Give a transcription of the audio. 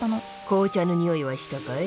紅茶の匂いはしたかい？